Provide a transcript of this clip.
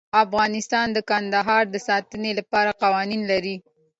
افغانستان د کندهار د ساتنې لپاره قوانین لري.